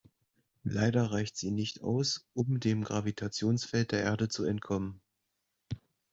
Leider reicht sie nicht aus, um dem Gravitationsfeld der Erde zu entkommen.